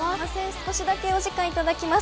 少しだけ、お時間頂きます。